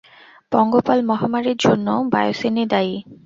পঙ্গপাল মহামারীর জন্য বায়োসিন-ই দায়ী।